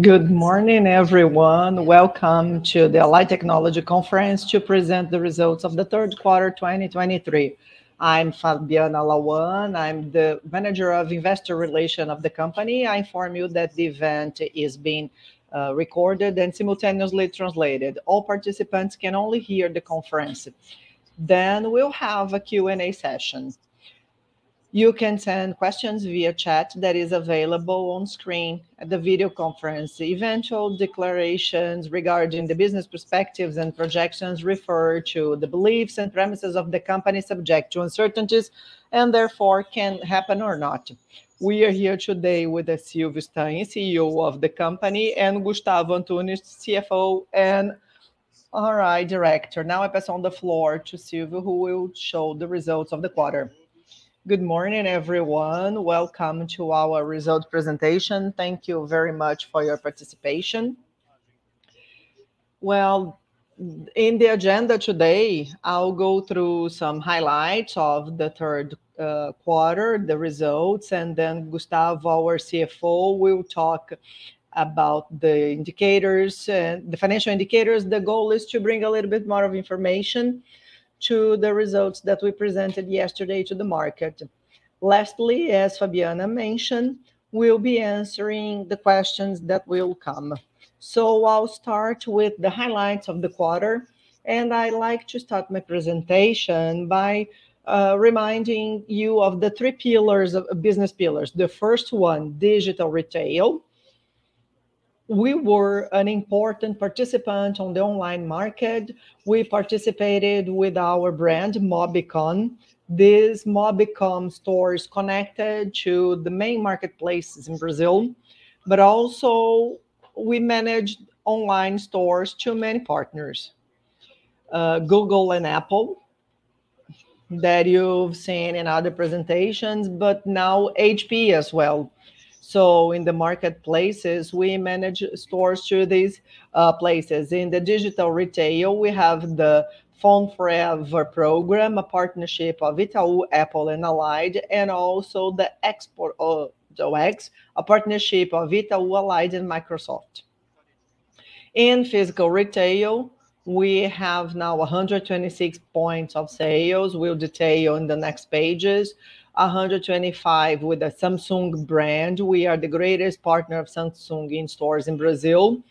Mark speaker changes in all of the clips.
Speaker 1: Good morning, everyone. Welcome to the Allied Tecnologia Conference to present the results of the third quarter 2023. I'm Fabiana Lawand. I'm the Manager of Investor Relations of the company. I inform you that the event is being recorded and simultaneously translated. All participants can only hear the conference. We'll have a Q&A session. You can send questions via chat that is available on screen at the video conference. Eventual declarations regarding the business perspectives and projections refer to the beliefs and premises of the company subject to uncertainties, and therefore can happen or not. We are here today with Silvio Stein, CEO of the company, and Gustavo Antunes, CFO, and RI Director. I pass on the floor to Silvio, who will show the results of the quarter. Good morning, everyone. Welcome to our result presentation. Thank you very much for your participation.
Speaker 2: In the agenda today, I'll go through some highlights of the third quarter, the results, and Gustavo, our CFO, will talk about the financial indicators. The goal is to bring a little bit more information to the results that we presented yesterday to the market. Lastly, as Fabiana mentioned, we'll be answering the questions that will come. I'll start with the highlights of the quarter, and I like to start my presentation by reminding you of the three business pillars. The first one, digital retail. We were an important participant on the online market. We participated with our brand, Mobicon. This Mobicon store is connected to the main marketplaces in Brazil, but also we managed online stores to many partners, Google and Apple, that you've seen in other presentations, but now HP as well. In the marketplaces, we manage stores through these places. In the digital retail, we have the iPhone para Sempre program, a partnership of Itaú, Apple, and Allied, and also the Xbox All Access, a partnership of Itaú, Allied, and Microsoft. In physical retail, we have now 126 points of sale. We'll detail in the next pages. 125 with the Samsung brand. We are the greatest partner of Samsung in stores in Brazil,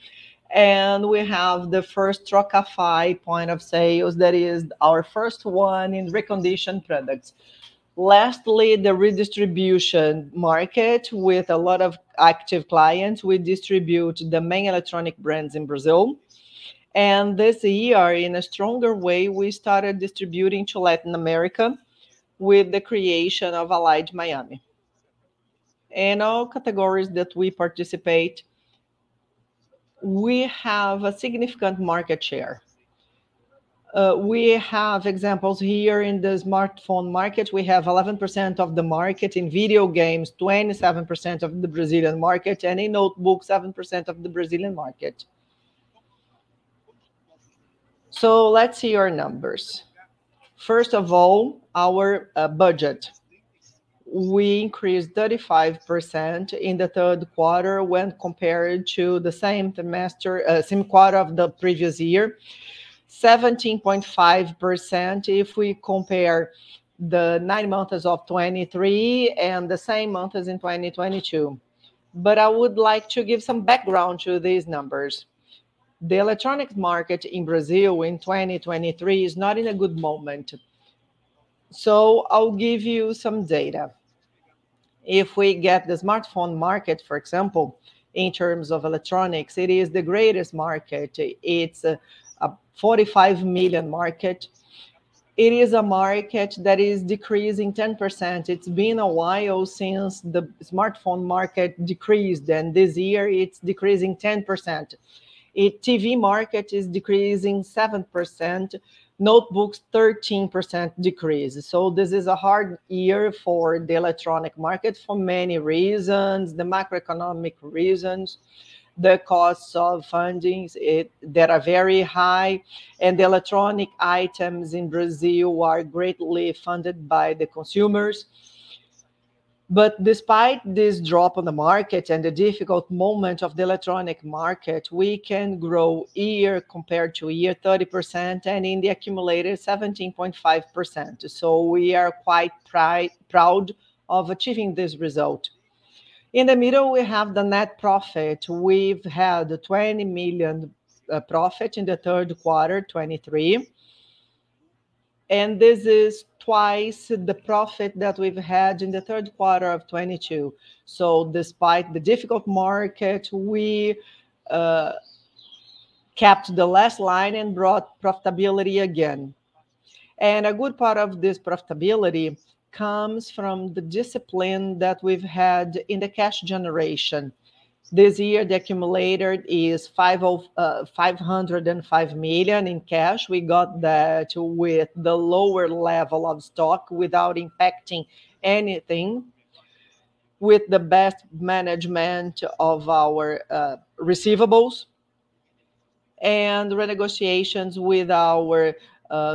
Speaker 2: and we have the first Trocafy point of sale. That is our first one in refurbished products. Lastly, the redistribution market with a lot of active clients. We distribute the main electronic brands in Brazil. This year, in a stronger way, we started distributing to Latin America with the creation of Allied Miami. In all categories that we participate, we have a significant market share. We have examples here in the smartphone market. We have 11% of the market in video games, 27% of the Brazilian market, and in notebooks, 7% of the Brazilian market. Let's see our numbers. First of all, our budget. We increased 35% in the third quarter when compared to the same quarter of the previous year, 17.5% if we compare the nine months of 2023 and the same months in 2022. I would like to give some background to these numbers. The electronics market in Brazil in 2023 is not in a good moment. I'll give you some data. If we get the smartphone market, for example, in terms of electronics, it is the greatest market. It's a 45 million market. It is a market that is decreasing 10%. It's been a while since the smartphone market decreased, and this year it's decreasing 10%. TV market is decreasing 7%, notebooks 13% decrease. This is a hard year for the electronic market for many reasons, the macroeconomic reasons, the costs of fundings that are very high, and the electronic items in Brazil are greatly funded by the consumers. Despite this drop on the market and the difficult moment of the electronic market, we can grow year compared to year 30%, and in the accumulated 17.5%. We are quite proud of achieving this result. In the middle, we have the net profit. We've had 20 million profit in the third quarter 2023, and this is twice the profit that we've had in the third quarter of 2022. Despite the difficult market, we kept the last line and brought profitability again. A good part of this profitability comes from the discipline that we've had in the cash generation. This year, the accumulator is 505 million in cash. We got that with the lower level of stock without impacting anything, with the best management of our receivables. Renegotiations with our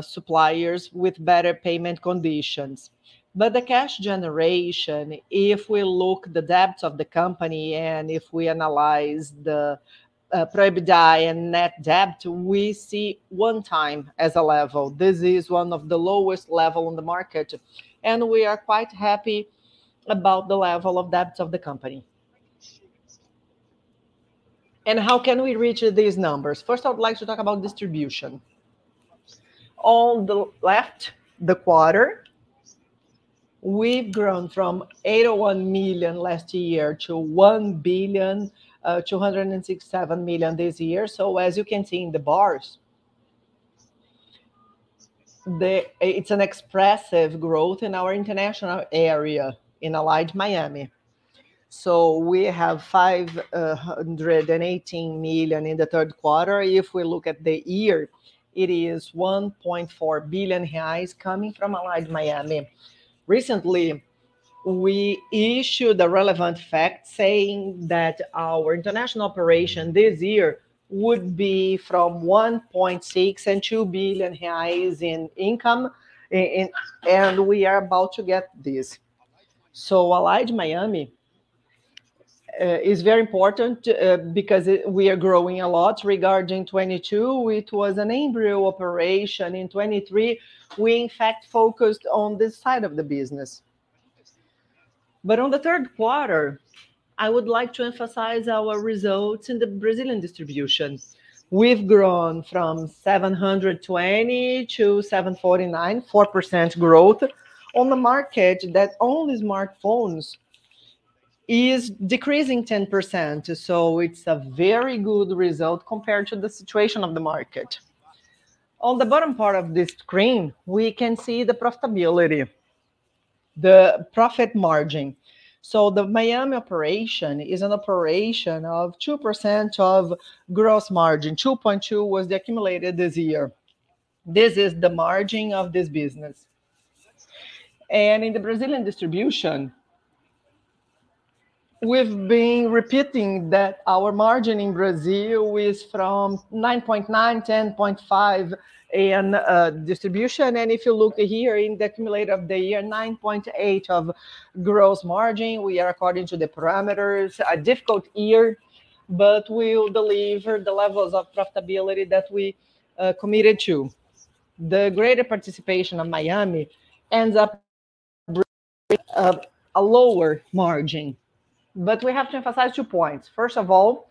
Speaker 2: suppliers with better payment conditions. The cash generation, if we look the debt of the company and if we analyze the pro forma and net debt, we see 1x as a level. This is one of the lowest level in the market, and we are quite happy about the level of debt of the company. How can we reach these numbers? First, I would like to talk about distribution. On the left, the quarter. We've grown from 801 million last year to 1.267 billion this year. As you can see in the bars, it's an expressive growth in our international area in Allied Miami. We have 518 million in the third quarter. If we look at the year, it is 1.4 billion reais coming from Allied Miami. Recently, we issued a relevant fact saying that our international operation this year would be from 1.6 billion and 2 billion reais in income, and we are about to get this. Allied Miami is very important because we are growing a lot. Regarding 2022, it was an embryo operation. In 2023, we in fact focused on this side of the business. On the third quarter, I would like to emphasize our results in the Brazilian distribution. We've grown from 720 million to 749 million, 4% growth on the market that only smartphones is decreasing 10%, it's a very good result compared to the situation of the market. On the bottom part of the screen, we can see the profitability, the profit margin. The Miami operation is an operation of 2% of gross margin. 2.2% was accumulated this year. This is the margin of this business. In the Brazilian distribution, we've been repeating that our margin in Brazil is from 9.9%-10.5% in distribution, and if you look here in the accumulator of the year, 9.8% of gross margin. We are according to the parameters. A difficult year, but we will deliver the levels of profitability that we committed to. The greater participation of Miami ends up bringing up a lower margin. We have to emphasize two points. First of all,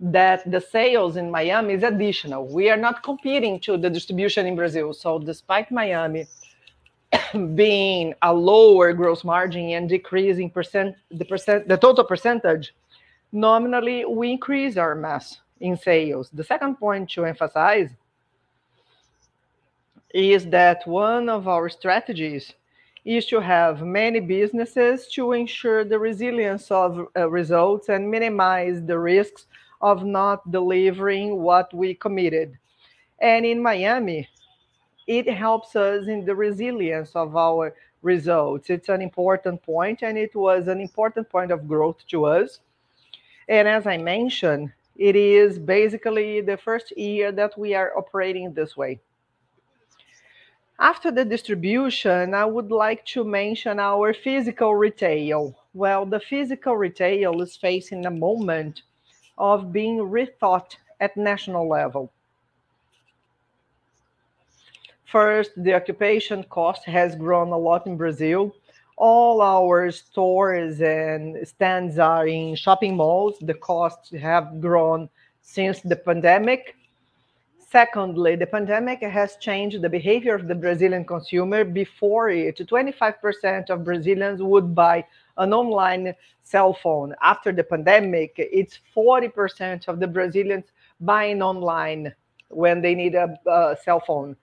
Speaker 2: that the sales in Miami is additional. We are not competing to the distribution in Brazil. Despite Miami being a lower gross margin and decreasing the total percentage, nominally, we increase our mass in sales. The second point to emphasize is that one of our strategies is to have many businesses to ensure the resilience of results and minimize the risks of not delivering what we committed. In Miami, it helps us in the resilience of our results. It is an important point, and it was an important point of growth to us. As I mentioned, it is basically the first year that we are operating this way. After the distribution, I would like to mention our physical retail. The physical retail is facing a moment of being rethought at national level. First, the occupation cost has grown a lot in Brazil. All our stores and stands are in shopping malls. The costs have grown since the pandemic. Secondly, the pandemic has changed the behavior of the Brazilian consumer. Before it, 25% of Brazilians would buy an online cell phone. After the pandemic, it is 40% of the Brazilians buying online when they need a cell phone.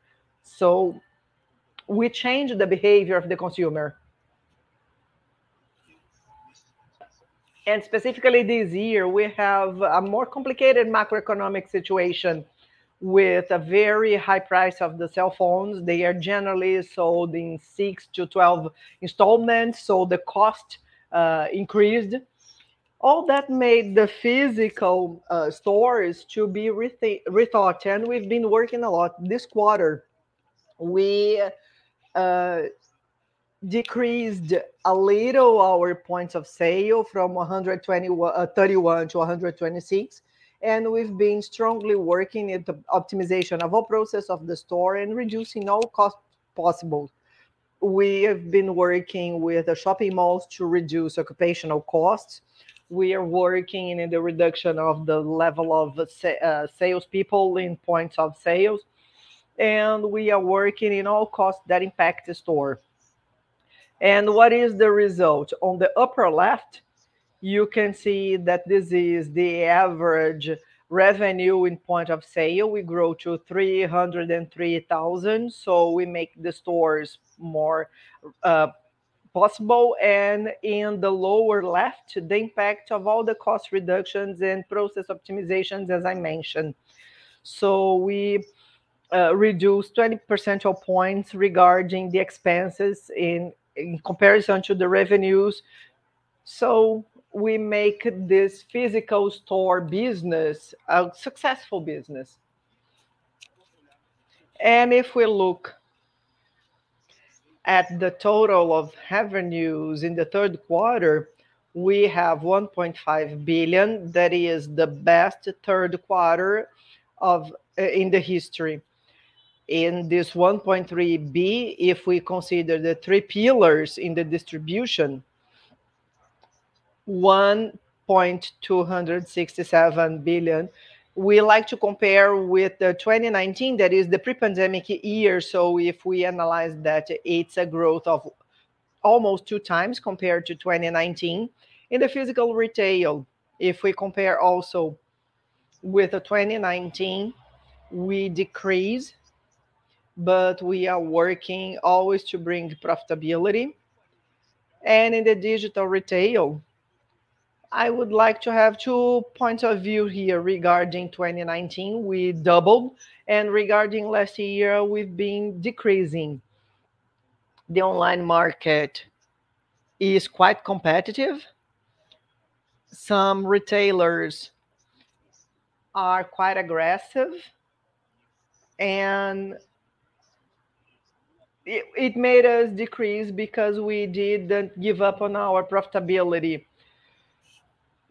Speaker 2: We changed the behavior of the consumer. Specifically this year, we have a more complicated macroeconomic situation with a very high price of the cell phones. They are generally sold in 6 to 12 installments, the cost increased. All that made the physical stores to be rethought, we have been working a lot. This quarter, we decreased a little our points of sale from 131 to 126, we have been strongly working at the optimization of our process of the store and reducing all costs possible. We have been working with the shopping malls to reduce occupational costs. We are working in the reduction of the level of salespeople in points of sales, we are working in all costs that impact the store. What is the result? On the upper left, you can see that this is the average revenue in point of sale. We grow to 303,000, we make the stores more possible. In the lower left, the impact of all the cost reductions and process optimizations, as I mentioned. We reduced 20 percentile points regarding the expenses in comparison to the revenues. We make this physical store business a successful business. If we look at the total of revenues in the third quarter, we have 1.5 billion. That is the best third quarter in the history. In this 1.3 billion, if we consider the three pillars in the distribution, 1.267 billion, we like to compare with 2019, that is the pre-pandemic year. If we analyze that, it is a growth of almost 2 times compared to 2019. In the physical retail, if we compare also with 2019, we decrease, but we are working always to bring profitability. In the digital retail, I would like to have 2 points of view here. Regarding 2019, we doubled, regarding last year, we have been decreasing. The online market is quite competitive. Some retailers are quite aggressive, it made us decrease because we did not give up on our profitability.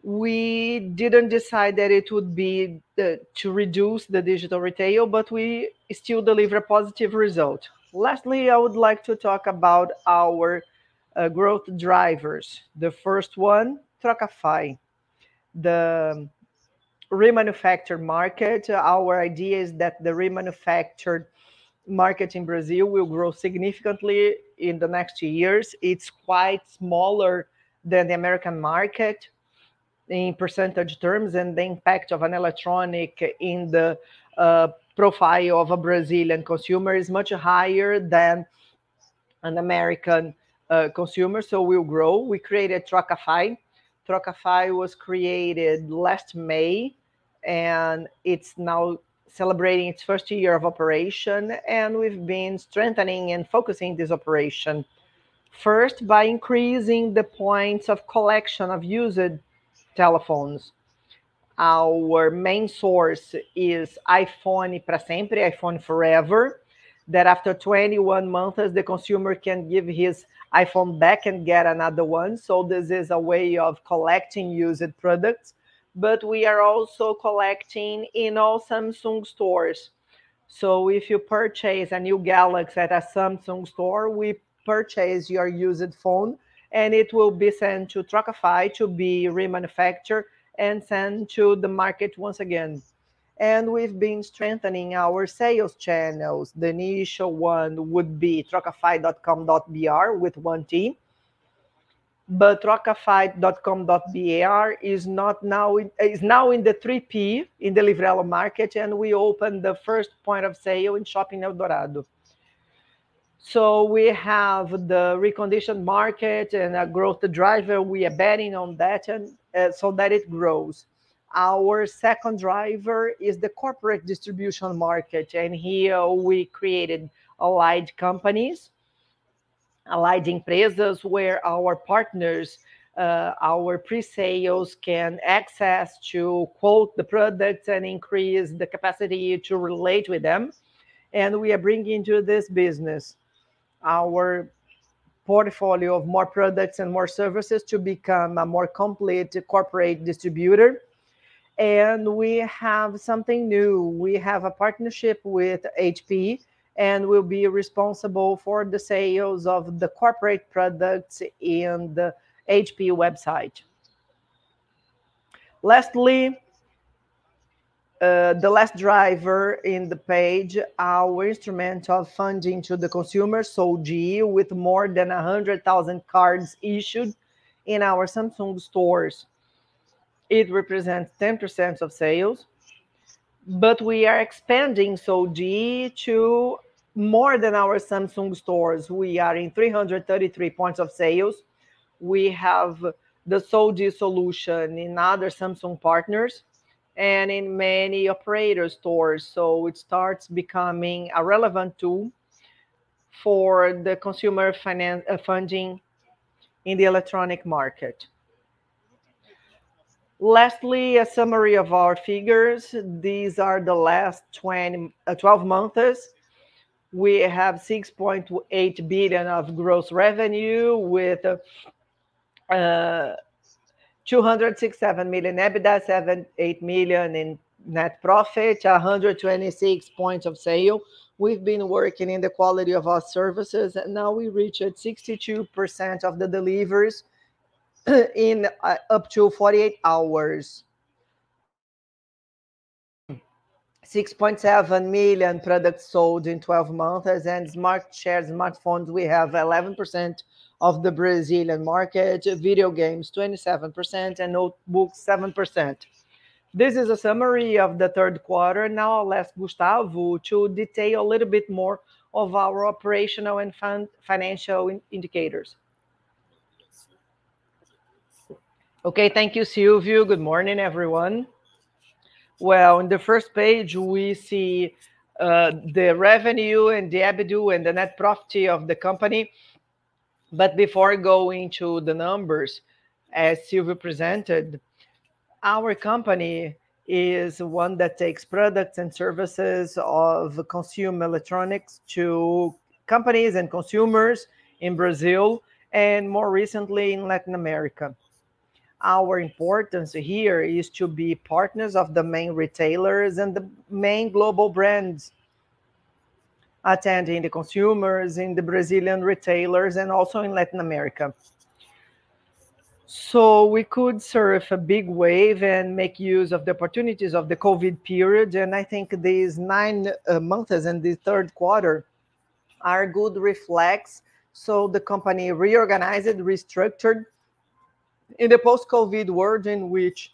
Speaker 2: We did not decide that it would be to reduce the digital retail, but we still deliver a positive result. Lastly, I would like to talk about our growth drivers. The first one, Trocafy, the remanufactured market. Our idea is that the remanufactured market in Brazil will grow significantly in the next years. It's quite smaller than the American market in percentage terms, the impact of an electronic in the profile of a Brazilian consumer is much higher than an American consumer, we'll grow. We created Trocafy. Trocafy was created last May, it's now celebrating its first year of operation, we've been strengthening and focusing this operation, first by increasing the points of collection of used telephones. Our main source is iPhone para Sempre, iPhone Forever, that after 21 months, the consumer can give his iPhone back and get another one. This is a way of collecting used products, we are also collecting in all Samsung stores. If you purchase a new Galaxy at a Samsung store, we purchase your used phone, it will be sent to Trocafy to be remanufactured and sent to the market once again. We've been strengthening our sales channels. The initial one would be trocafy.com.br with one T. trocafy.com.br is now in the 3P in the Livelo market, we opened the first point of sale in Shopping Eldorado. We have the reconditioned market and a growth driver. We are betting on that it grows. Our second driver is the corporate distribution market, here we created Allied Empresas, where our partners, our pre-sales can access to quote the products and increase the capacity to relate with them. We are bringing to this business our portfolio of more products and more services to become a more complete corporate distributor. We have something new. We have a partnership with HP, we'll be responsible for the sales of the corporate products in the HP website. Lastly, the last driver in the page, our instrumental funding to the consumer, Soudi, with more than 100,000 cards issued in our Samsung stores. It represents 10% of sales, we are expanding Soudi to more than our Samsung stores. We are in 333 points of sales. We have the Soudi solution in other Samsung partners and in many operator stores. It starts becoming a relevant tool for the consumer funding in the electronic market. Lastly, a summary of our figures. These are the last 12 months. We have 6.8 billion of gross revenue with 267 million EBITDA, 78 million in net profit, 126 points of sale. We've been working in the quality of our services, now we reached 62% of the deliveries in up to 48 hours. 6.7 million products sold in 12 months, smart shares, smartphones, we have 11% of the Brazilian market, video games 27%, notebooks 7%. This is a summary of the third quarter. Now I'll ask Gustavo to detail a little bit more of our operational and financial indicators. Okay. Thank you, Silvio. Good morning, everyone. Well, on the first page, we see the revenue and the EBITDA and the net profit of the company. Before going to the numbers, as Silvio presented, our company is one that takes products and services of consumer electronics to companies and consumers in Brazil, more recently, in Latin America. Our importance here is to be partners of the main retailers and the main global brands, attending the consumers and the Brazilian retailers, also in Latin America.
Speaker 3: We could surf a big wave and make use of the opportunities of the COVID period, and I think these nine months and the third quarter are good reflects. The company reorganized, restructured. In the post-COVID world in which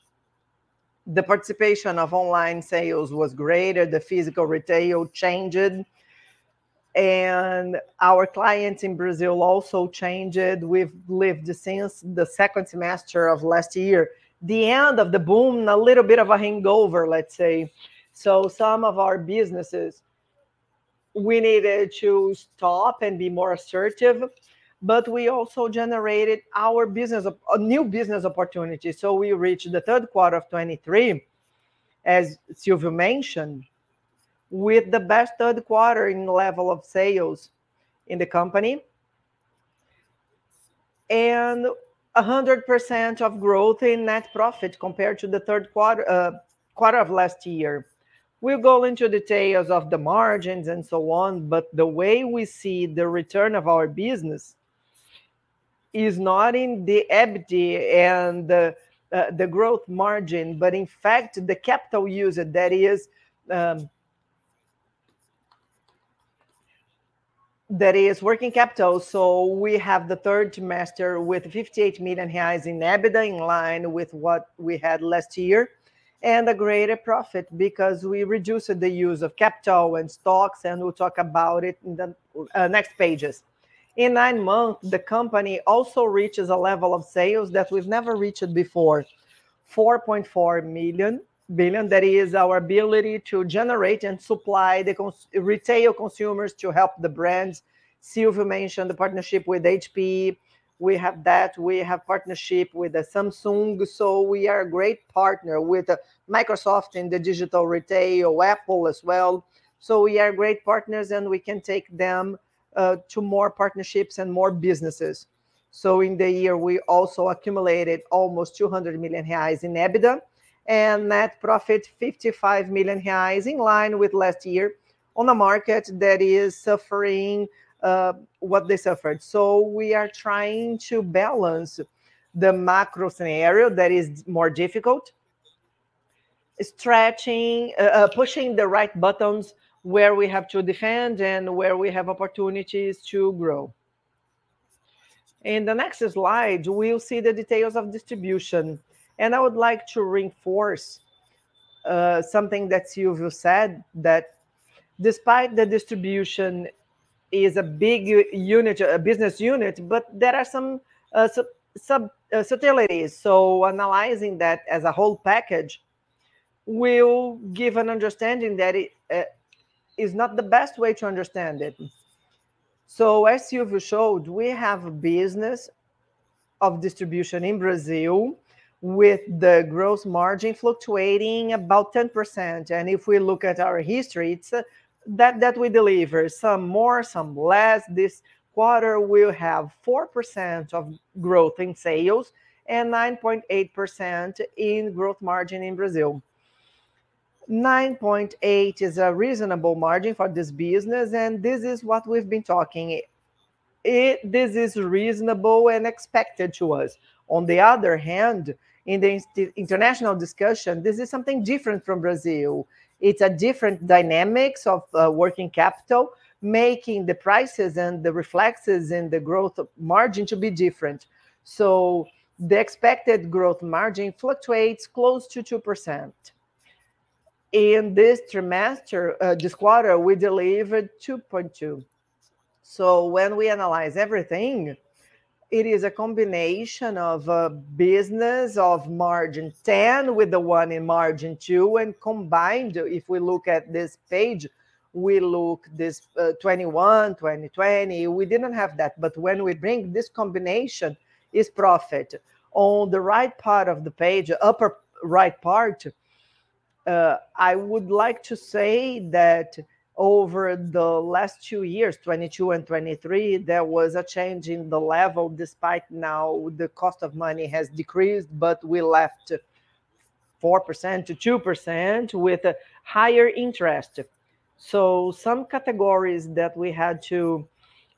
Speaker 3: the participation of online sales was greater, the physical retail changed, and our clients in Brazil also changed. We've lived since the second semester of last year, the end of the boom, a little bit of a hangover, let's say. Some of our businesses, we needed to stop and be more assertive, but we also generated new business opportunities. We reached the third quarter of 2023, as Silvio mentioned, with the best third quarter in level of sales in the company, and 100% of growth in net profit compared to the third quarter of last year. We'll go into details of the margins and so on, the way we see the return of our business is not in the EBITDA and the gross margin, but in fact, the capital used that is working capital. We have the third quarter with 58 million reais in EBITDA in line with what we had last year, and a greater profit because we reduced the use of capital and stocks, and we'll talk about it in the next pages. In nine months, the company also reaches a level of sales that we've never reached before, 4.4 billion. That is our ability to generate and supply the retail consumers to help the brands. Silvio mentioned the partnership with HP. We have that. We have partnership with Samsung, we are a great partner with Microsoft in the digital retail, Apple as well. We are great partners and we can take them to more partnerships and more businesses. In the year, we also accumulated almost 200 million reais in EBITDA and net profit 55 million reais in line with last year on a market that is suffering what they suffered. We are trying to balance the macro scenario that is more difficult, pushing the right buttons where we have to defend and where we have opportunities to grow. In the next slide, we'll see the details of distribution. I would like to reinforce something that Silvio said, that despite the distribution is a big business unit, but there are some subtleties. Analyzing that as a whole package will give an understanding that it is not the best way to understand it. As Silvio showed, we have a business of distribution in Brazil with the gross margin fluctuating about 10%. If we look at our history, it's that we deliver some more, some less. This quarter, we'll have 4% of growth in sales and 9.8% in gross margin in Brazil. 9.8% is a reasonable margin for this business, and this is what we've been talking. This is reasonable and expected to us. On the other hand, in the international discussion, this is something different from Brazil. It's a different dynamics of working capital, making the prices and the reflexes and the gross margin to be different. The expected gross margin fluctuates close to 2%. In this quarter, we delivered 2.2%. When we analyze everything, it is a combination of a business of margin 10 with the one in margin 2, and combined, if we look at this page, we look this 2021, 2020, we didn't have that. When we bring this combination, it's profit. On the right part of the page, upper right part, I would like to say that over the last two years, 2022 and 2023, there was a change in the level despite now the cost of money has decreased, but we left 4% to 2% with a higher interest. Some categories that we had to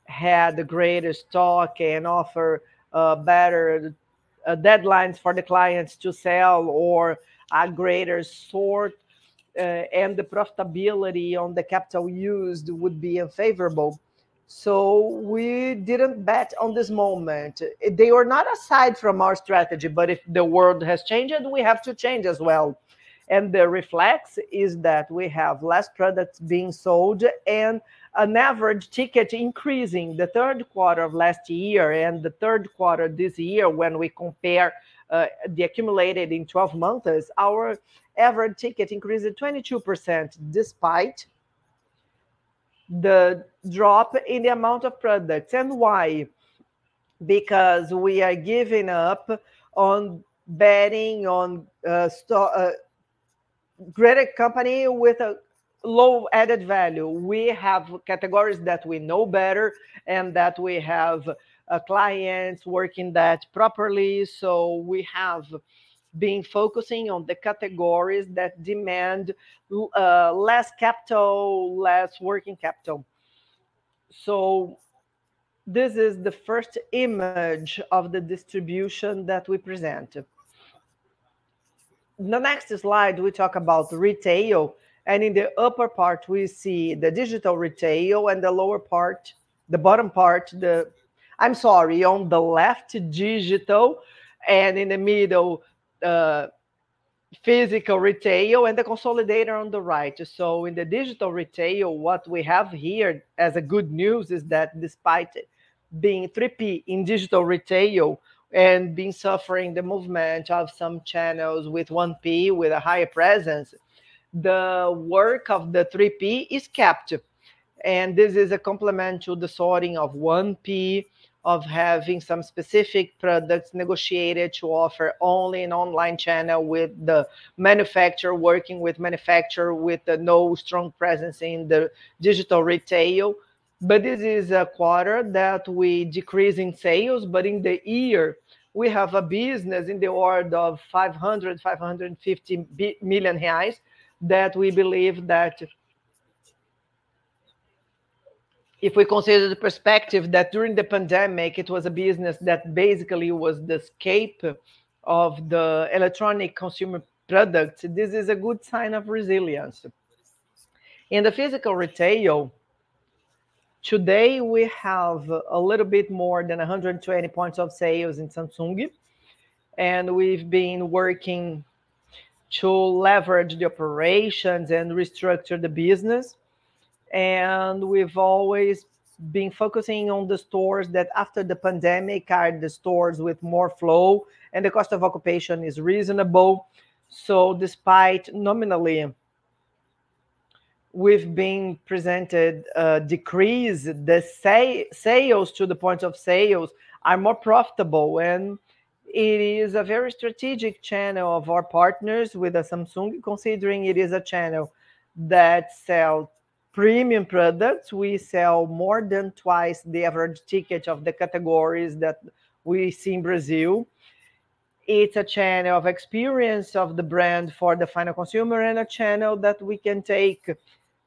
Speaker 3: have the greatest talk and offer better deadlines for the clients to sell or a greater sort, and the profitability on the capital used would be unfavorable. We didn't bet on this moment. They were not aside from our strategy, if the world has changed, we have to change as well. The reflex is that we have less products being sold and an average ticket increasing. The third quarter of last year and the third quarter this year, when we compare the accumulated in 12 months, our average ticket increased 22%, despite the drop in the amount of products. Why? Because we are giving up on betting on a great company with a low added value. We have categories that we know better and that we have clients working that properly. We have been focusing on the categories that demand less capital, less working capital. This is the first image of the distribution that we present. The next slide, we talk about retail, in the upper part, we see the digital retail and the lower part, the bottom part, I'm sorry, on the left, digital, and in the middle, physical retail, and the consolidator on the right. In the digital retail, what we have here as good news is that despite it being 3P in digital retail and been suffering the movement of some channels with 1P with a higher presence, the work of the 3P is captive. This is a complement to the sorting of 1P of having some specific products negotiated to offer only an online channel with the manufacturer, working with manufacturer with no strong presence in the digital retail. This is a quarter that we decrease in sales, in the year, we have a business in the order of 500 million-550 million reais that we believe that if we consider the perspective that during the pandemic, it was a business that basically was the escape of the electronic consumer products, this is a good sign of resilience. In the physical retail, today, we have a little bit more than 120 points of sales in Samsung, we've been working to leverage the operations and restructure the business. We've always been focusing on the stores that after the pandemic are the stores with more flow and the cost of occupation is reasonable. Despite nominally we've been presented a decrease, the sales to the point of sales are more profitable, and it is a very strategic channel of our partners with Samsung, considering it is a channel that sells premium products. We sell more than twice the average ticket of the categories that we see in Brazil. It's a channel of experience of the brand for the final consumer and a channel that we can take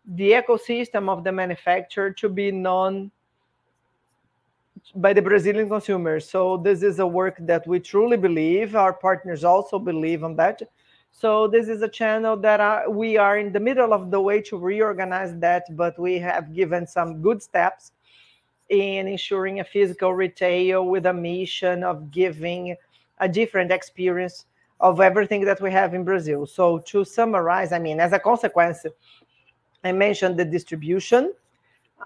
Speaker 3: the ecosystem of the manufacturer to be known by the Brazilian consumers. This is work that we truly believe. Our partners also believe in that. This is a channel that we are in the middle of the way to reorganize that, but we have given some good steps in ensuring a physical retail with a mission of giving a different experience of everything that we have in Brazil. To summarize, as a consequence, I mentioned the distribution.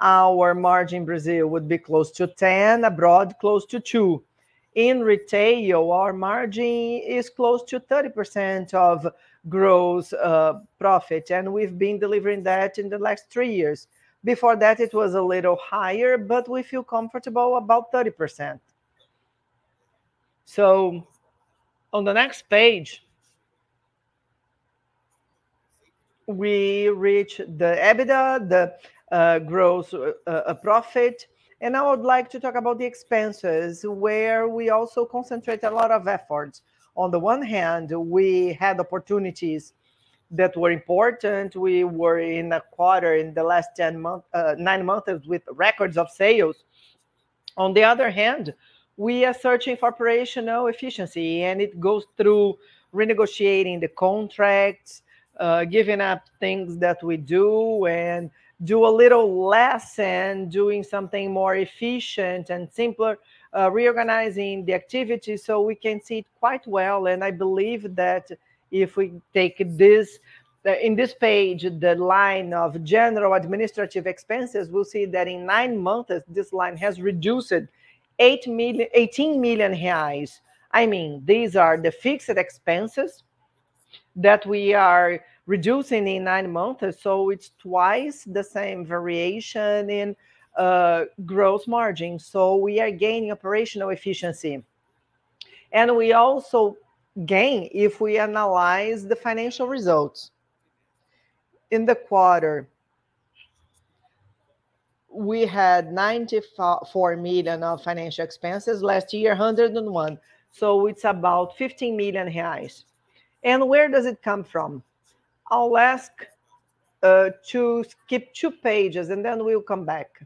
Speaker 3: Our margin Brazil would be close to 10%, abroad, close to 2%. In retail, our margin is close to 30% of gross profit, and we've been delivering that in the last three years. Before that, it was a little higher, but we feel comfortable about 30%. On the next page, we reach the EBITDA, the gross profit. I would like to talk about the expenses, where we also concentrate a lot of efforts. On the one hand, we had opportunities that were important. We were in a quarter in the last nine months with records of sales. On the other hand, we are searching for operational efficiency, it goes through renegotiating the contracts, giving up things that we do a little less and doing something more efficient and simpler, reorganizing the activities so we can see it quite well. I believe that if we take in this page, the line of general administrative expenses, we'll see that in nine months, this line has reduced 18 million reais. These are the fixed expenses that we are reducing in nine months, it's twice the same variation in gross margin. We are gaining operational efficiency. We also gain if we analyze the financial results. In the quarter, we had 94 million of financial expenses. Last year, 101 million. It's about 15 million reais. Where does it come from? I'll ask to skip two pages, then we'll come back.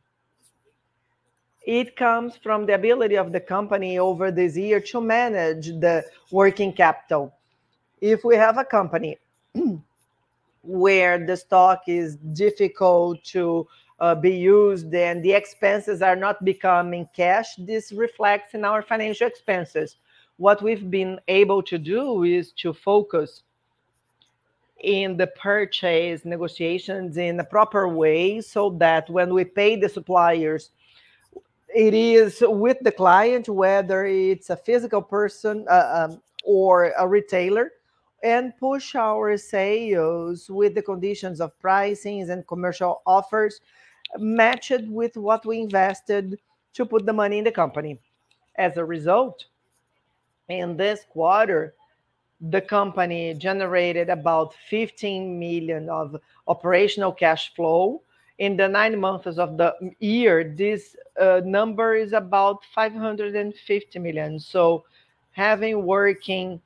Speaker 3: It comes from the ability of the company over this year to manage the working capital. If we have a company where the stock is difficult to be used, the expenses are not becoming cash, this reflects in our financial expenses. What we've been able to do is to focus in the purchase negotiations in the proper way so that when we pay the suppliers, it is with the client, whether it's a physical person or a retailer, push our sales with the conditions of pricings and commercial offers matched with what we invested to put the money in the company. As a result, in this quarter, the company generated about 15 million of operational cash flow. In the nine months of the year, this number is about 550 million. Having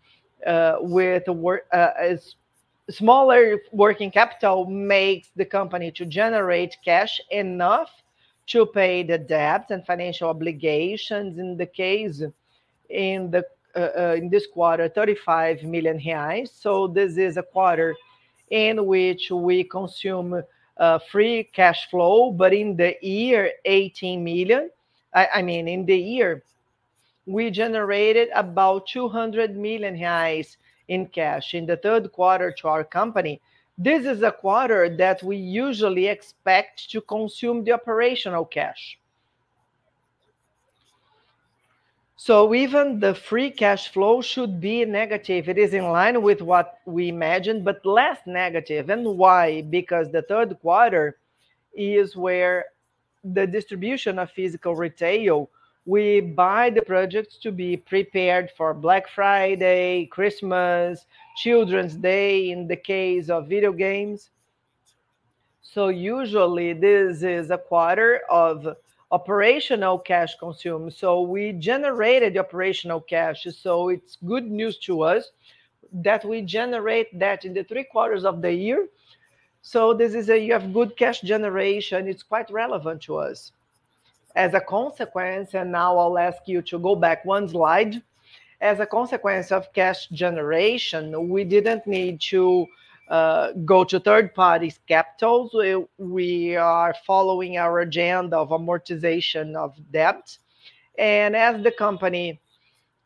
Speaker 3: smaller working capital makes the company to generate cash enough to pay the debts and financial obligations in this quarter, 35 million reais. This is a quarter in which we consume free cash flow, but in the year, 18 million. I mean, in the year, we generated about 200 million reais in cash. In the third quarter to our company, this is a quarter that we usually expect to consume the operational cash. Even the free cash flow should be negative. It is in line with what we imagined, but less negative. Why? Because the third quarter is where the distribution of physical retail, we buy the products to be prepared for Black Friday, Christmas, Children's Day, in the case of video games. Usually, this is a quarter of operational cash consumed. We generated operational cash. It's good news to us that we generate that in the three quarters of the year. This is a good cash generation. It's quite relevant to us. Now I'll ask you to go back one slide. As a consequence of cash generation, we didn't need to go to third-party capital. We are following our agenda of amortization of debt. As the company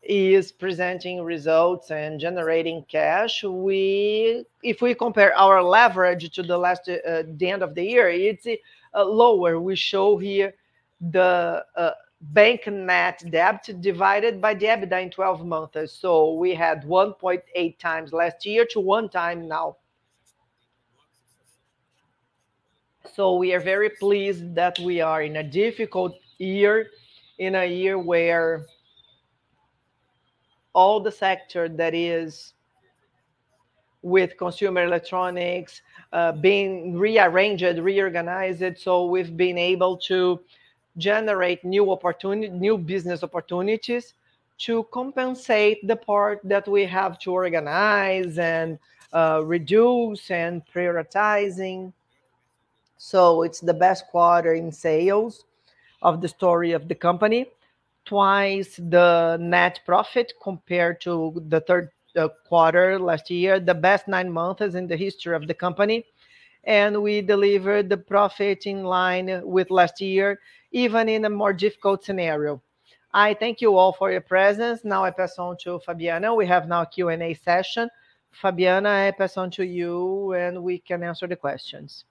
Speaker 3: is presenting results and generating cash, if we compare our leverage to the end of the year, it's lower. We show here the bank net debt divided by the EBITDA in 12 months. We had 1.8 times last year to one time now. We are very pleased that we are in a difficult year, in a year where all the sector that is with consumer electronics being rearranged, reorganized. We've been able to generate new business opportunities to compensate the part that we have to organize and reduce and prioritizing. It's the best quarter in sales of the story of the company. 2x the net profit compared to the third quarter last year. The best nine months in the history of the company. We delivered the profit in line with last year, even in a more difficult scenario. I thank you all for your presence. Now I pass on to Fabiana. We have now Q&A session. Fabiana, I pass on to you, and we can answer the questions.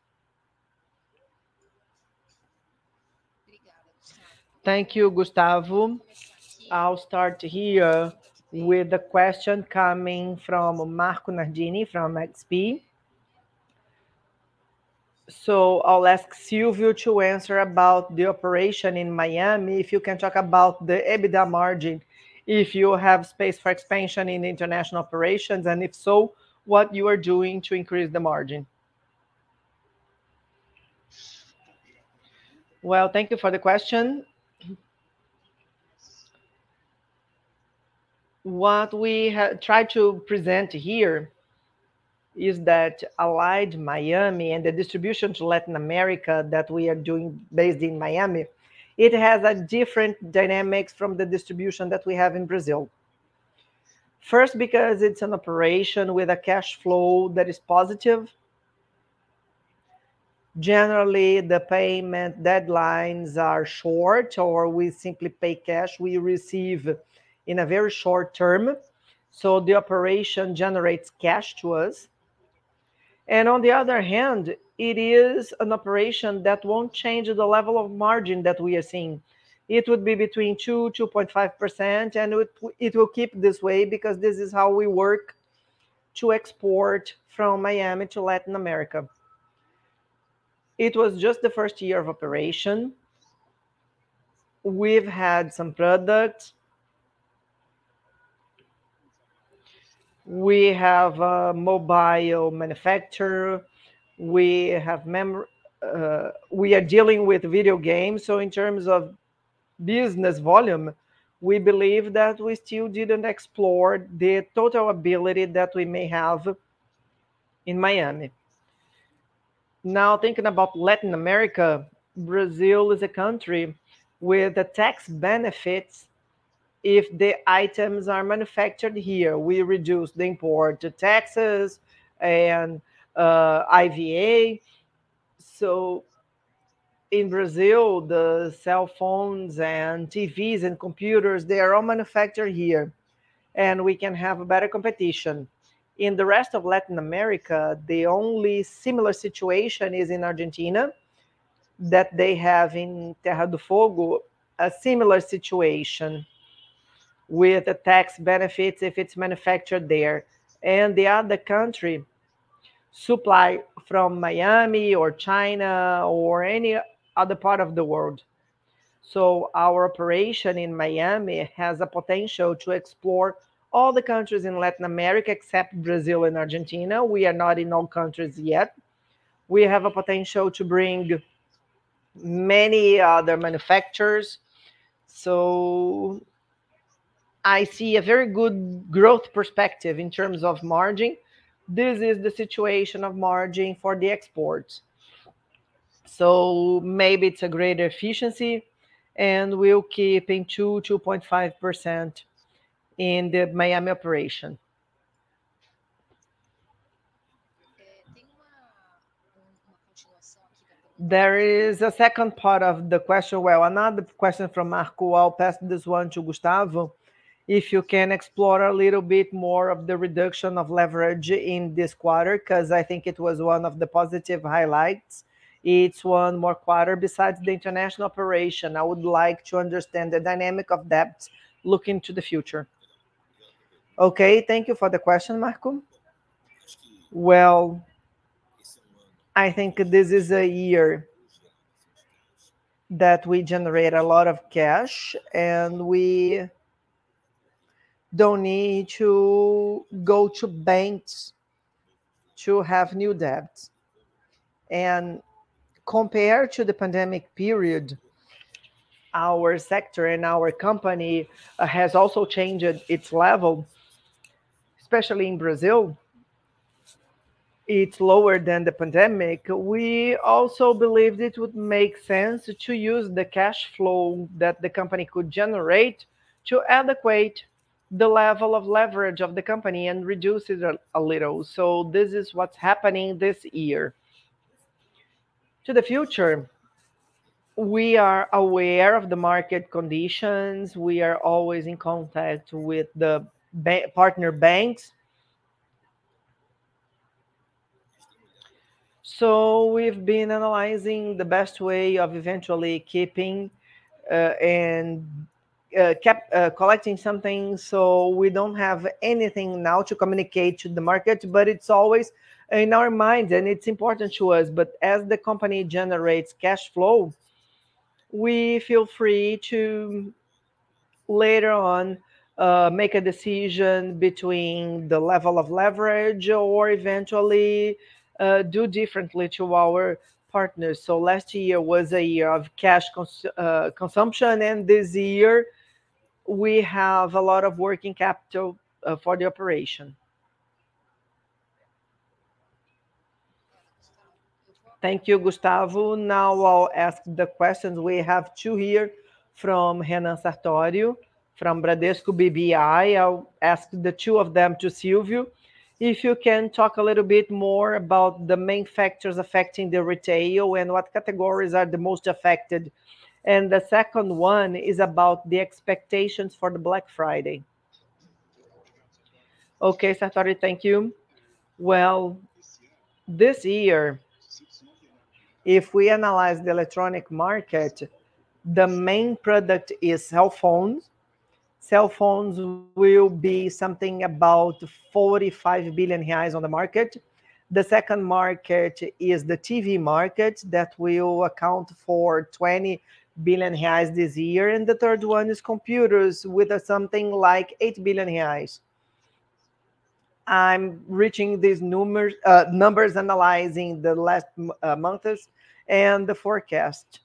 Speaker 3: Thank you, Gustavo. I'll start here with a question coming from Marco Nardini from XP. I'll ask Silvio to answer about the operation in Miami.
Speaker 2: If you can talk about the EBITDA margin, if you have space for expansion in international operations, and if so, what you are doing to increase the margin. Well, thank you for the question. What we try to present here is that Allied Miami and the distribution to Latin America that we are doing based in Miami, it has a different dynamics from the distribution that we have in Brazil. First, because it's an operation with a cash flow that is positive. Generally, the payment deadlines are short, or we simply pay cash. We receive in a very short term. The operation generates cash to us. On the other hand, it is an operation that won't change the level of margin that we are seeing. It would be between 2%-2.5%, and it will keep this way because this is how we work to export from Miami to Latin America. It was just the first year of operation. We've had some products. We have a mobile manufacturer. We are dealing with video games. In terms of business volume, we believe that we still didn't explore the total ability that we may have in Miami. Now, thinking about Latin America, Brazil is a country with the tax benefits if the items are manufactured here. We reduce the import taxes and IVA. In Brazil, the cell phones and TVs and computers, they are all manufactured here. We can have better competition. In the rest of Latin America, the only similar situation is in Argentina, that they have in Tierra del Fuego a similar situation with the tax benefits if it's manufactured there. The other country supply from Miami or China or any other part of the world. Our operation in Miami has a potential to explore all the countries in Latin America except Brazil and Argentina. We are not in all countries yet. We have a potential to bring many other manufacturers. I see a very good growth perspective in terms of margin. This is the situation of margin for the exports. Maybe it's greater efficiency and we'll keep in 2%-2.5% in the Miami operation. There is a second part of the question. Another question from Marco, I'll pass this one to Gustavo. If you can explore a little bit more of the reduction of leverage in this quarter because I think it was one of the positive highlights. It's one more quarter besides the international operation.
Speaker 3: I would like to understand the dynamic of debt looking to the future. Thank you for the question, Marco. I think this is a year that we generate a lot of cash, and we don't need to go to banks to have new debts. Compared to the pandemic period, our sector and our company has also changed its level, especially in Brazil. It's lower than the pandemic. We also believed it would make sense to use the cash flow that the company could generate to adequate the level of leverage of the company and reduce it a little. This is what's happening this year. To the future, we are aware of the market conditions. We are always in contact with the partner banks. We've been analyzing the best way of eventually keeping and collecting something.
Speaker 1: We don't have anything now to communicate to the market. It's always in our minds, and it's important to us. As the company generates cash flow, we feel free to later on make a decision between the level of leverage or eventually do differently to our partners. Last year was a year of cash consumption, and this year we have a lot of working capital for the operation. Thank you, Gustavo. I'll ask the questions. We have two here from Renan Sartori from Bradesco BBI. I'll ask the two of them to Silvio. If you can talk a little bit more about the main factors affecting the retail and what categories are the most affected. The second one is about the expectations for the Black Friday. Sartori, thank you.
Speaker 2: This year, if we analyze the electronic market, the main product is cell phones. Cell phones will be something about 45 billion reais on the market. The second market is the TV market that will account for 20 billion reais this year. The third one is computers with something like 8 billion reais. I'm reaching these numbers analyzing the last months and the forecast.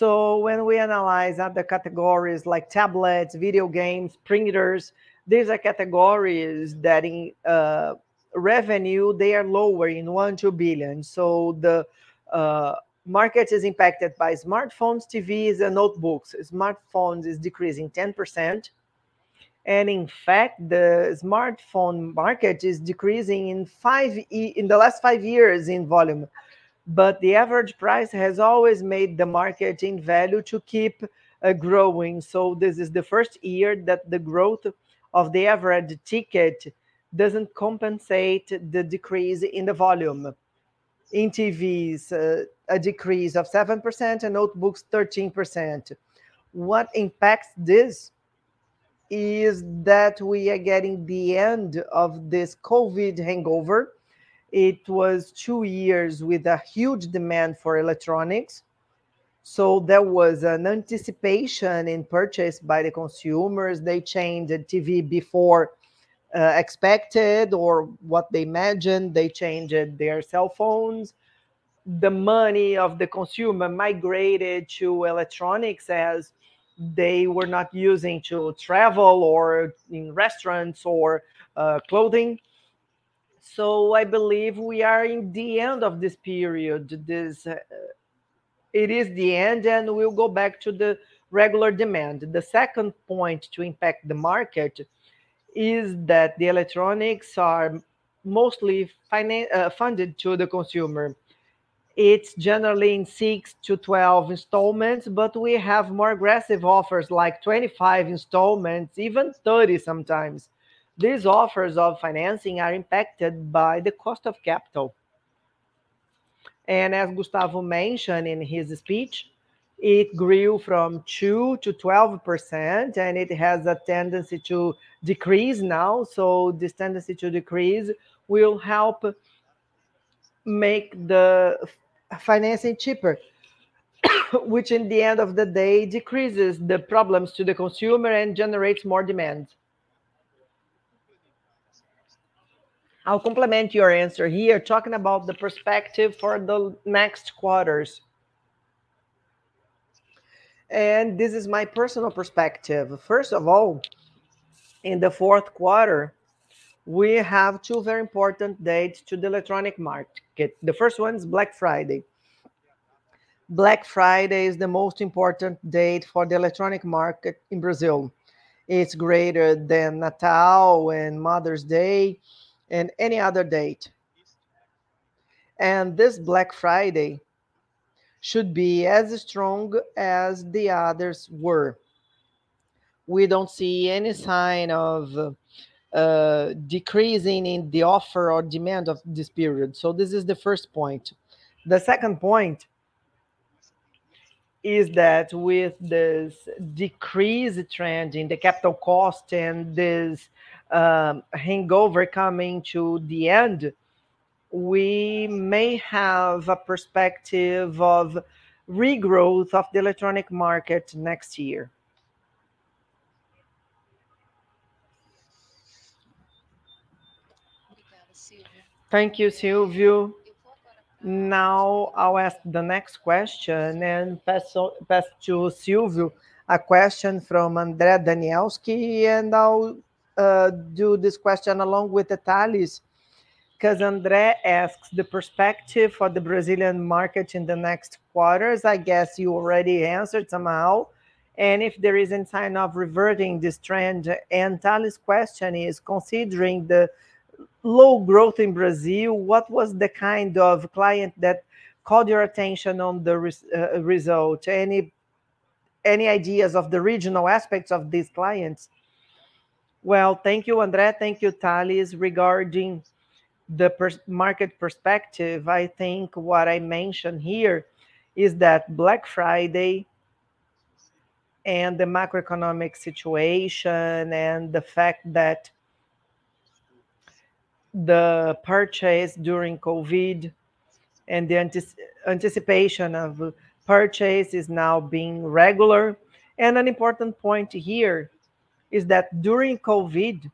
Speaker 2: When we analyze other categories like tablets, video games, printers, these are categories that in revenue, they are lower in 1 billion, 2 billion. The market is impacted by smartphones, TVs, and notebooks. Smartphones is decreasing 10%. In fact, the smartphone market is decreasing in the last five years in volume. The average price has always made the market in value to keep growing. This is the first year that the growth of the average ticket doesn't compensate the decrease in the volume. In TVs, a decrease of 7%. Notebooks 13%. What impacts this is that we are getting the end of this COVID hangover. It was two years with a huge demand for electronics. There was an anticipation in purchase by the consumers. They changed the TV before expected or what they imagined. They changed their cell phones. The money of the consumer migrated to electronics as they were not using to travel or in restaurants or clothing. I believe we are in the end of this period. It is the end. We'll go back to the regular demand. The second point to impact the market is that the electronics are mostly funded to the consumer. It's generally in 6 to 12 installments. We have more aggressive offers like 25 installments, even 30 sometimes. These offers of financing are impacted by the cost of capital. As Gustavo mentioned in his speech, it grew from 2% to 12%. It has a tendency to decrease now. This tendency to decrease will help make the financing cheaper, which in the end of the day decreases the problems to the consumer and generates more demand. I'll complement your answer here talking about the perspective for the next quarters. This is my personal perspective. First of all, in the fourth quarter, we have two very important dates to the electronic market. The first one's Black Friday. Black Friday is the most important date for the electronic market in Brazil. It's greater than Natal and Mother's Day and any other date. This Black Friday should be as strong as the others were. We don't see any sign of decreasing in the offer or demand of this period. This is the first point. The second point is that with this decrease trend in the capital cost and this hangover coming to the end, we may have a perspective of regrowth of the electronic market next year. Thank you, Silvio. Now I'll ask the next question and pass to Silvio a question from Andre Danielski, and I'll do this question along with Thales, because Andre asks the perspective for the Brazilian market in the next quarters. I guess you already answered somehow. If there is any sign of reverting this trend. Thales' question is, considering the low growth in Brazil, what was the kind of client that caught your attention on the result? Any ideas of the regional aspects of these clients? Thank you, Andre. Thank you, Thales. Regarding the market perspective, I think what I mentioned here is that Black Friday and the macroeconomic situation and the fact that the purchase during COVID and the anticipation of purchase is now being regular. An important point here is that during COVID,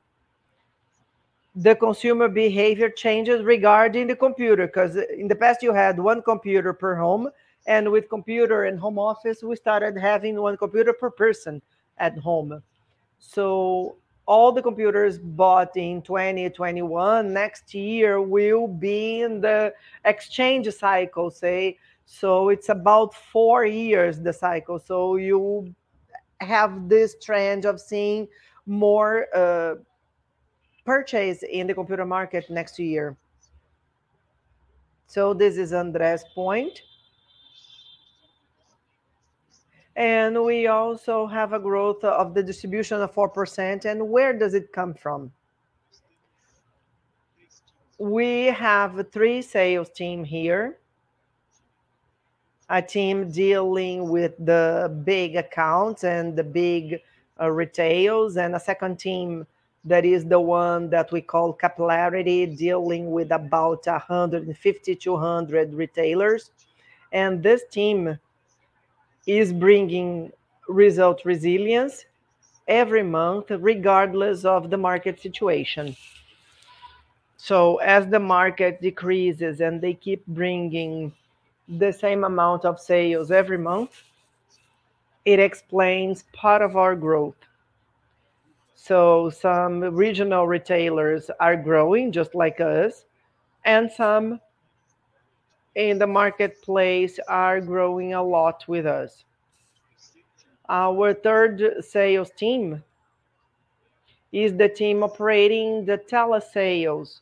Speaker 2: the consumer behavior changes regarding the computer, because in the past, you had one computer per home, and with computer and home office, we started having one computer per person at home. All the computers bought in 2021, next year will be in the exchange cycle, say. It's about four years, the cycle. You have this trend of seeing more purchase in the computer market next year. This is Andre's point. We also have a growth of the distribution of 4%, and where does it come from? We have three sales team here. A team dealing with the big accounts and the big retails, and a second team that is the one that we call capillarity, dealing with about 150-200 retailers. This team is bringing result resilience every month regardless of the market situation. As the market decreases and they keep bringing the same amount of sales every month, it explains part of our growth. Some regional retailers are growing just like us, and some in the marketplace are growing a lot with us. Our third sales team is the team operating the telesales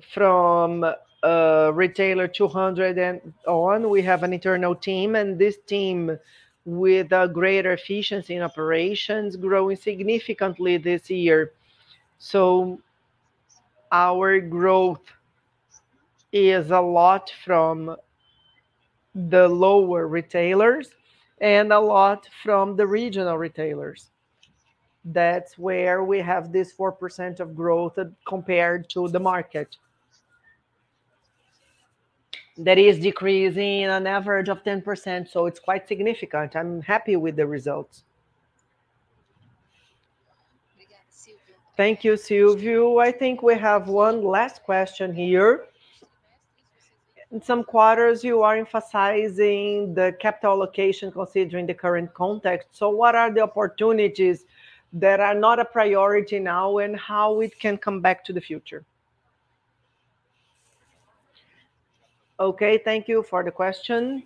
Speaker 2: from retailer 200 and on. We have an internal team, and this team, with greater efficiency in operations, growing significantly this year. Our growth is a lot from the lower retailers and a lot from the regional retailers. That's where we have this 4% of growth compared to the market. That is decreasing an average of 10%, so it's quite significant. I'm happy with the results. Thank you, Silvio Stein. I think we have one last question here. In some quarters, you are emphasizing the capital allocation considering the current context. What are the opportunities that are not a priority now, and how it can come back to the future? Okay, thank you for the question.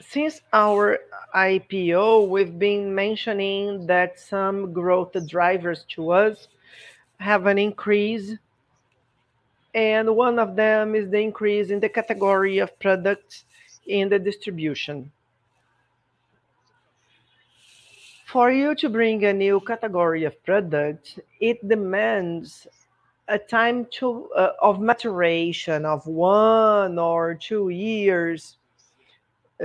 Speaker 2: Since our IPO, we've been mentioning that some growth drivers to us have an increase, and one of them is the increase in the category of products in the distribution. For you to bring a new category of product, it demands a time of maturation of one or two years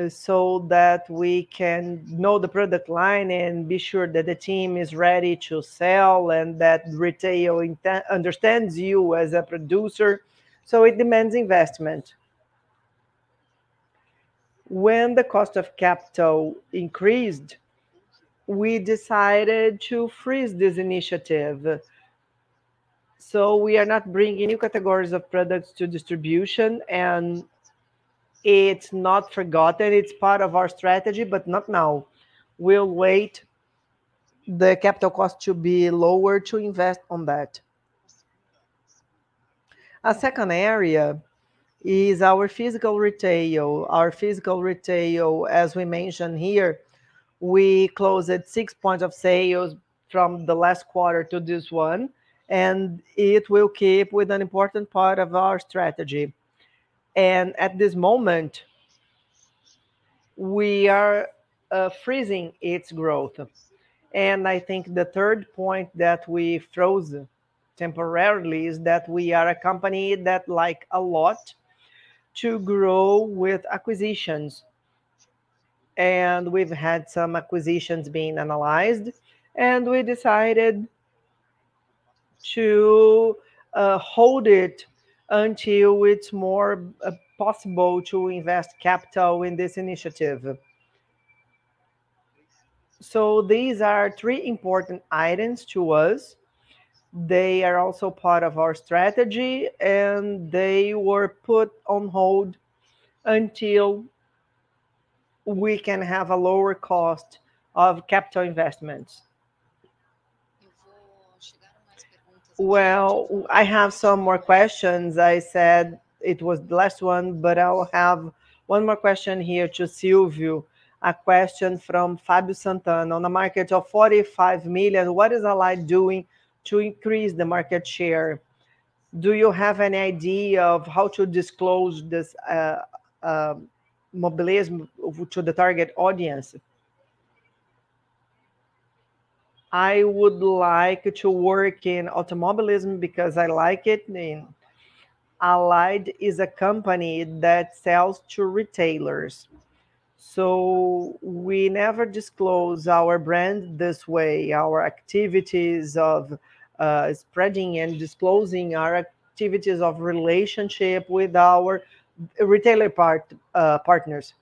Speaker 2: so that we can know the product line and be sure that the team is ready to sell and that retail understands you as a producer. It demands investment. When the cost of capital increased, we decided to freeze this initiative. We are not bringing new categories of products to distribution, and it's not forgotten. It's part of our strategy, but not now. We'll wait the capital cost to be lower to invest on that. A second area is our physical retail. Our physical retail, as we mentioned here, we closed at six points of sales from the last quarter to this one, and it will keep with an important part of our strategy. At this moment, we are freezing its growth. I think the third point that we froze temporarily is that we are a company that like a lot to grow with acquisitions. We've had some acquisitions being analyzed, and we decided to hold it until it's more possible to invest capital in this initiative. These are three important items to us. They are also part of our strategy, and they were put on hold until we can have a lower cost of capital investments. Well, I have some more questions. I said it was the last one, but I'll have one more question here to Silvio. A question from Fabio Santana. On a market of 45 million, what is Allied doing to increase the market share? Do you have any idea of how to disclose this mobilism to the target audience? I would like to work in automobilism because I like it. Allied is a company that sells to retailers. We never disclose our brand this way, our activities of spreading and disclosing our activities of relationship with our retailer partners.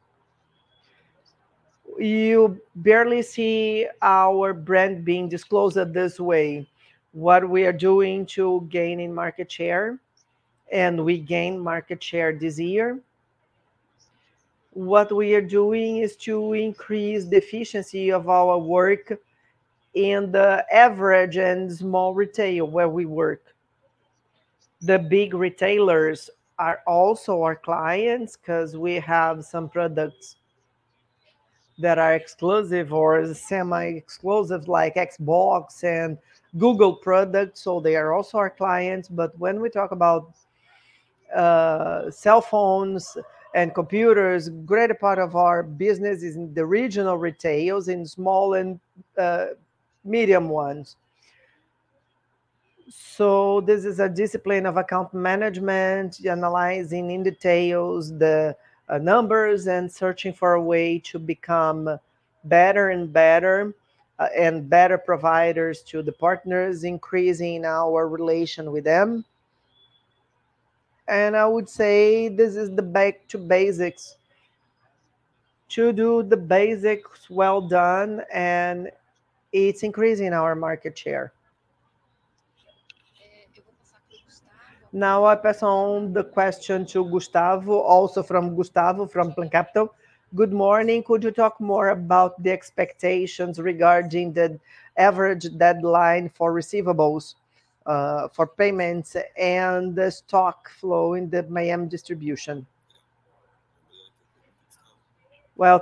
Speaker 2: You barely see our brand being disclosed this way. What we are doing to gaining market share, and we gained market share this year. What we are doing is to increase the efficiency of our work in the average and small retail where we work. The big retailers are also our clients because we have some products that are exclusive or semi-exclusive, like Xbox and Google products, so they are also our clients. When we talk about cell phones and computers, greater part of our business is in the regional retails, in small and medium ones. This is a discipline of account management, analyzing in details the numbers and searching for a way to become better and better providers to the partners, increasing our relation with them. I would say this is the back to basics. To do the basics well done, and it's increasing our market share. I pass on the question to Gustavo, also from Gustavo from Plan Capital. Good morning. Could you talk more about the expectations regarding the average deadline for receivables for payments and the stock flow in the Miami distribution?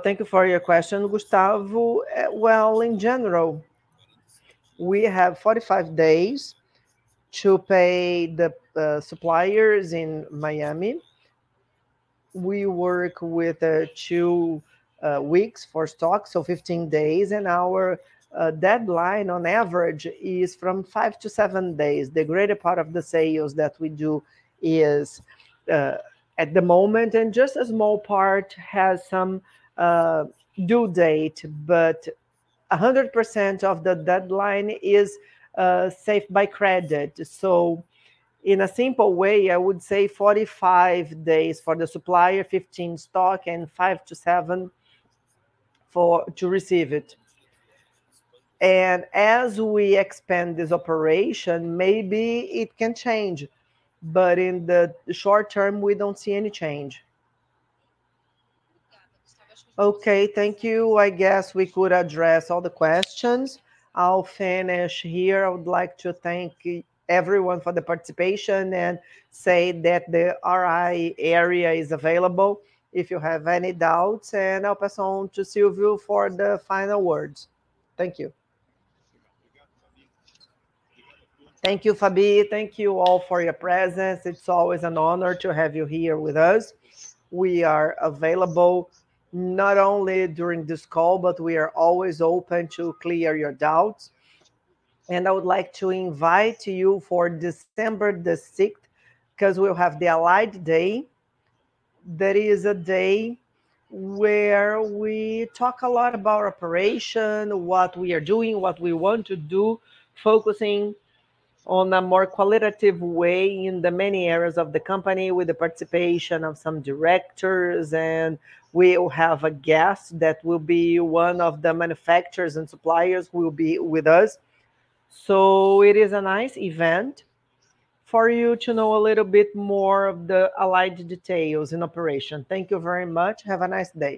Speaker 2: Thank you for your question, Gustavo. In general, we have 45 days to pay the suppliers in Miami. We work with two weeks for stock, so 15 days, and our deadline on average is from five to seven days.
Speaker 3: The greater part of the sales that we do is at the moment, and just a small part has some due date, but 100% of the deadline is saved by credit. In a simple way, I would say 45 days for the supplier, 15 stock, and five to seven to receive it. As we expand this operation, maybe it can change, but in the short term, we don't see any change. Okay. Thank you. I guess we could address all the questions. I'll finish here. I would like to thank everyone for the participation and say that the RI area is available if you have any doubts, and I'll pass on to Silvio for the final words. Thank you. Thank you, Fabi. Thank you all for your presence. It's always an honor to have you here with us.
Speaker 2: We are available not only during this call, but we are always open to clear your doubts. I would like to invite you for December the 6th, because we will have the Allied Day. That is a day where we talk a lot about operation, what we are doing, what we want to do, focusing on a more qualitative way in the many areas of the company with the participation of some directors. We will have a guest that will be one of the manufacturers and suppliers will be with us. It is a nice event for you to know a little bit more of the Allied details and operation. Thank you very much. Have a nice day.